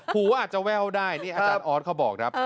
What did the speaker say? หูอาจจะแววได้นี่อาจารย์ออทเค้าบอกนะ